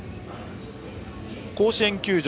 甲子園球場